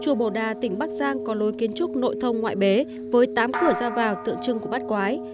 chùa bồ đa tỉnh bắc giang có lối kiến trúc nội thông ngoại bế với tám cửa ra vào tượng trưng của bát quái